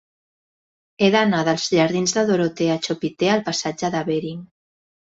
He d'anar dels jardins de Dorotea Chopitea al passatge de Bering.